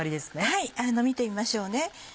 はい見てみましょうね。